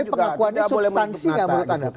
tapi pengakuannya sultansi nggak menurut anda